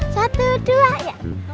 satu dua ya